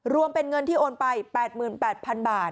รวมเป็นเงินที่โอนไป๘๘๐๐๐บาท